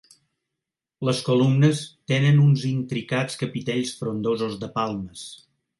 Les columnes tenen uns intricats capitells frondosos de palmes.